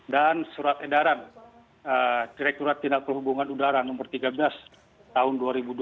dan surat edaran direkturat tindak perhubungan udara nomor tiga belas tahun dua ribu dua puluh